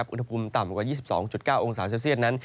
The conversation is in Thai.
อุณหภูมิต่ำกว่า๒๒๙องศาเซลเซียตนั้น